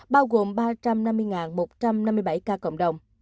bao gồm ba trăm năm mươi một trăm năm mươi bảy ca cộng đồng